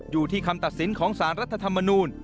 อยู่ที่คำตัดสินของสารรัฐธรรมนูล